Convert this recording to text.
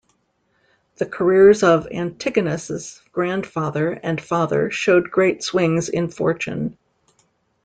The careers of Antigonus's grandfather and father showed great swings in fortune.